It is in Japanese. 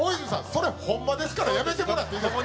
それホンマですからやめてもらっていいですか？